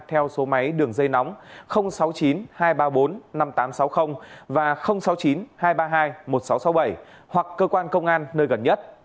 theo số máy đường dây nóng sáu mươi chín hai trăm ba mươi bốn năm nghìn tám trăm sáu mươi và sáu mươi chín hai trăm ba mươi hai một nghìn sáu trăm sáu mươi bảy hoặc cơ quan công an nơi gần nhất